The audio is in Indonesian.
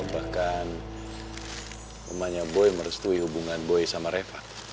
bahkan pemainnya boy merestui hubungan boy sama reva